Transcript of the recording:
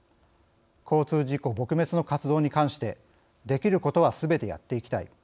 交通事故撲滅の活動に関してできることはすべてやっていきたい。